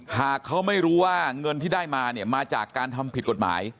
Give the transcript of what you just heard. หากเขาไม่รู้ว่าเงินที่ได้มาเนี่ยมาจากการทำผิดกฎหมาย